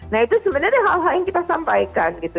nah itu sebenarnya hal hal yang kita sampaikan gitu